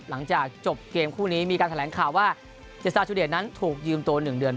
หลังจากจบเกมคู่นี้มีการแถลงข่าวว่าเจษาชูเดชนั้นถูกยืมตัว๑เดือน